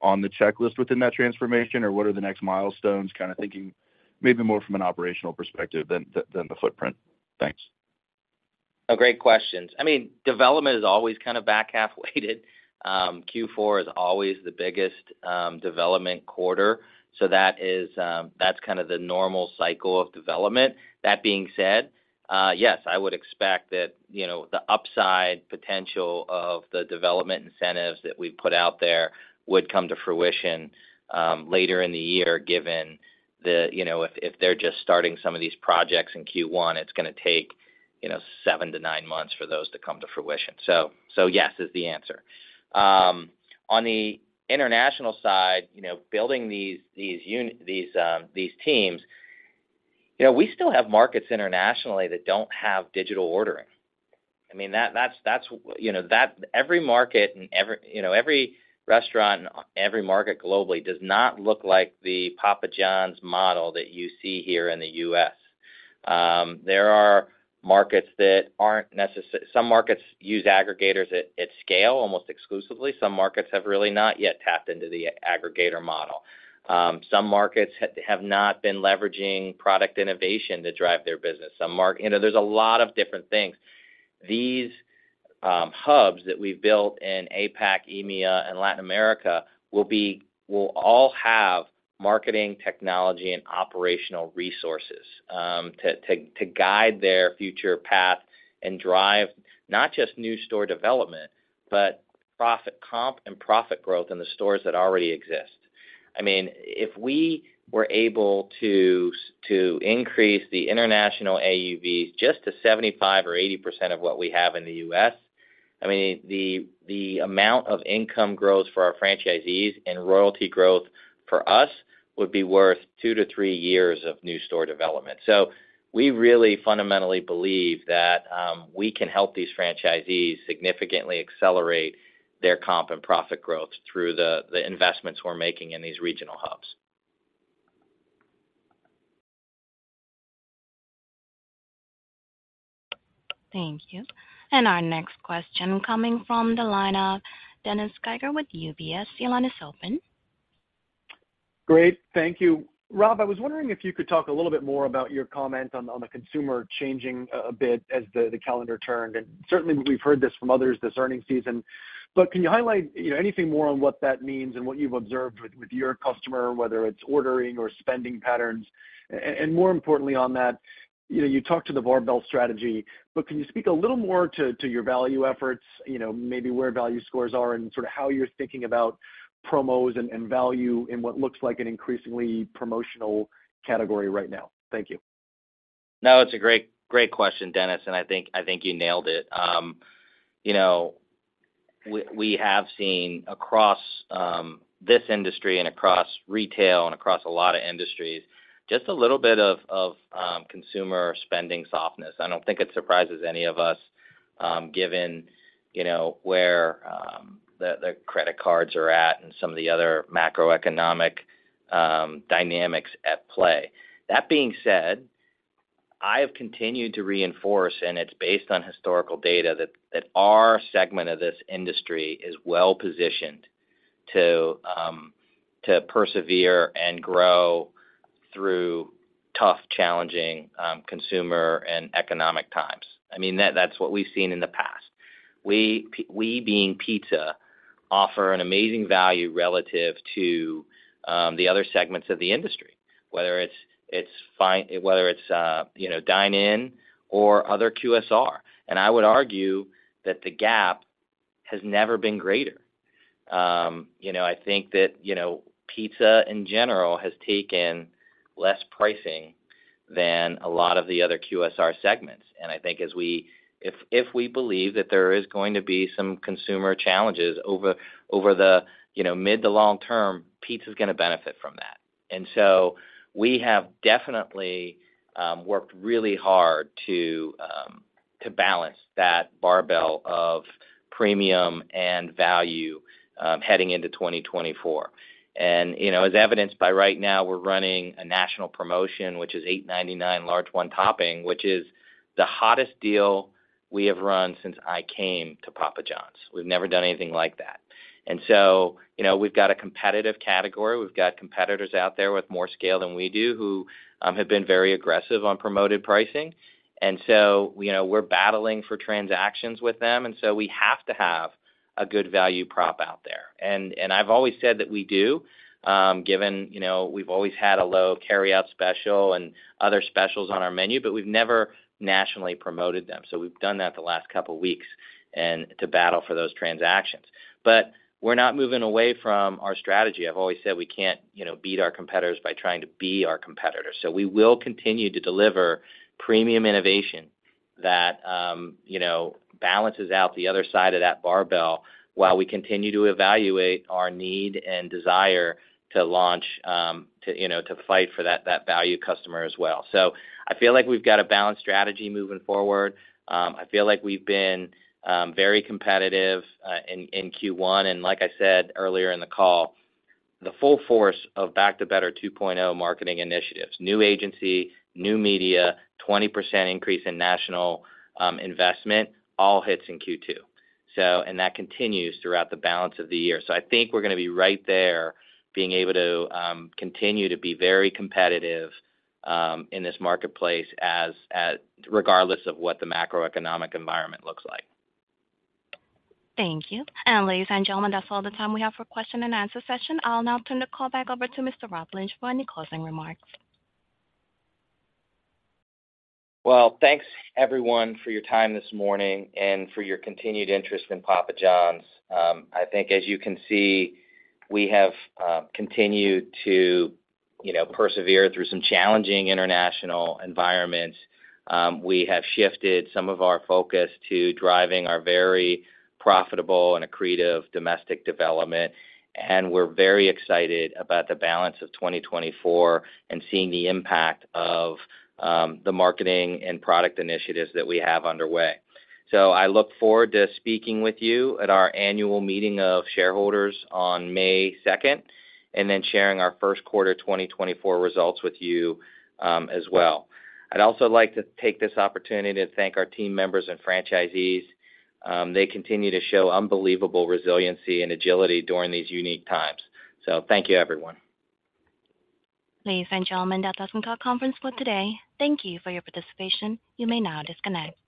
on the checklist within that transformation, or what are the next milestones kind of thinking maybe more from an operational perspective than the footprint? Thanks. Oh, great questions. I mean, development is always kind of back-half weighted. Q4 is always the biggest development quarter. So that's kind of the normal cycle of development. That being said, yes, I would expect that the upside potential of the development incentives that we've put out there would come to fruition later in the year given that if they're just starting some of these projects in Q1, it's going to take seven to nine months for those to come to fruition. So yes is the answer. On the international side, building these teams, we still have markets internationally that don't have digital ordering. I mean, that's every market and every restaurant and every market globally does not look like the Papa John's model that you see here in the U.S. There are markets that aren't. Some markets use aggregators at scale almost exclusively. Some markets have really not yet tapped into the aggregator model. Some markets have not been leveraging product innovation to drive their business. There's a lot of different things. These hubs that we've built in APAC, EMEA, and Latin America will all have marketing, technology, and operational resources to guide their future path and drive not just new store development but profit comp and profit growth in the stores that already exist. I mean, if we were able to increase the international AUVs just to 75% or 80% of what we have in the U.S., I mean, the amount of income growth for our franchisees and royalty growth for us would be worth two to three years of new store development. So we really fundamentally believe that we can help these franchisees significantly accelerate their comp and profit growth through the investments we're making in these regional hubs. Thank you. And our next question coming from the line of Dennis Geiger with UBS. Your line is open. Great. Thank you. Rob, I was wondering if you could talk a little bit more about your comment on the consumer changing a bit as the calendar turned. And certainly, we've heard this from others this earnings season. But can you highlight anything more on what that means and what you've observed with your customer, whether it's ordering or spending patterns? And more importantly on that, you talked to the barbell strategy, but can you speak a little more to your value efforts, maybe where value scores are and sort of how you're thinking about promos and value in what looks like an increasingly promotional category right now? Thank you. No, it's a great question, Dennis, and I think you nailed it. We have seen across this industry and across retail and across a lot of industries just a little bit of consumer spending softness. I don't think it surprises any of us given where the credit cards are at and some of the other macroeconomic dynamics at play. That being said, I have continued to reinforce, and it's based on historical data, that our segment of this industry is well-positioned to persevere and grow through tough, challenging consumer and economic times. I mean, that's what we've seen in the past. We being pizza offer an amazing value relative to the other segments of the industry, whether it's dine-in or other QSR. I would argue that the gap has never been greater. I think that pizza in general has taken less pricing than a lot of the other QSR segments. I think if we believe that there is going to be some consumer challenges over the mid to long term, pizza is going to benefit from that. We have definitely worked really hard to balance that barbell of premium and value heading into 2024. As evidenced by right now, we're running a national promotion, which is $8.99 large one topping, which is the hottest deal we have run since I came to Papa John's. We've never done anything like that. We've got a competitive category. We've got competitors out there with more scale than we do who have been very aggressive on promoted pricing. We're battling for transactions with them, and so we have to have a good value prop out there. I've always said that we do given we've always had a low carryout special and other specials on our menu, but we've never nationally promoted them. We've done that the last couple of weeks to battle for those transactions. But we're not moving away from our strategy. I've always said we can't beat our competitors by trying to be our competitors. So we will continue to deliver premium innovation that balances out the other side of that barbell while we continue to evaluate our need and desire to launch to fight for that value customer as well. So I feel like we've got a balanced strategy moving forward. I feel like we've been very competitive in Q1. And like I said earlier in the call, the full force of Back to Better 2.0 marketing initiatives, new agency, new media, 20% increase in national investment, all hits in Q2. And that continues throughout the balance of the year. So I think we're going to be right there being able to continue to be very competitive in this marketplace regardless of what the macroeconomic environment looks like. Thank you. Ladies and gentlemen, that's all the time we have for question and answer session. I'll now turn the call back over to Mr. Rob Lynch for any closing remarks. Well, thanks, everyone, for your time this morning and for your continued interest in Papa John's. I think as you can see, we have continued to persevere through some challenging international environments. We have shifted some of our focus to driving our very profitable and accretive domestic development. We're very excited about the balance of 2024 and seeing the impact of the marketing and product initiatives that we have underway. I look forward to speaking with you at our annual meeting of shareholders on May 2nd and then sharing our first quarter 2024 results with you as well. I'd also like to take this opportunity to thank our team members and franchisees. They continue to show unbelievable resiliency and agility during these unique times. So thank you, everyone. Ladies and gentlemen, that does conclude our conference for today. Thank you for your participation. You may now disconnect.